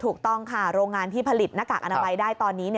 ถูกต้องค่ะโรงงานที่ผลิตหน้ากากอนามัยได้ตอนนี้